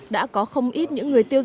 đã có không ít những người tiêu dùng